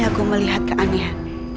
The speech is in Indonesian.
aku melihat keanehan